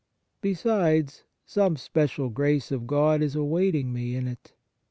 Besides, some special grace of God is awaiting me in it.